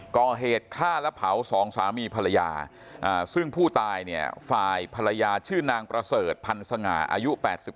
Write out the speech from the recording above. ก่อเหตุฆ่าและเผาสองสามีภรรยาซึ่งผู้ตายเนี่ยฝ่ายภรรยาชื่อนางประเสริฐพันธ์สง่าอายุ๘๒